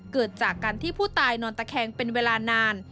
เกิดจากการที่ผู้ตายนอนตะแคงเป็นเวลานาน